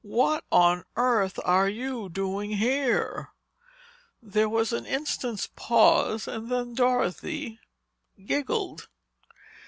"What on earth are you doing here?" There was an instant's pause; then Dorothy giggled.